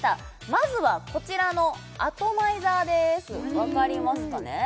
まずはこちらのアトマイザーですわかりますかね？